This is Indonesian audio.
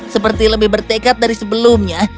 seperti lebih bertekad dari sebelumnya